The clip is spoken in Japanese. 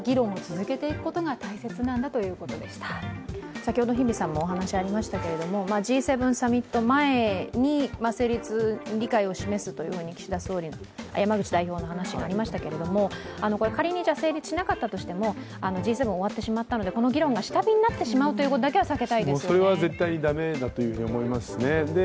先ほど日比さんもお話しありましたけれども、Ｇ７サミット前に成立、理解を示すという山口代表の話もありましたけど仮に成立しなかったとしてもＧ７終わってしまったのでこの議論が下火になってしまうことだけはそれは絶対駄目だと思います。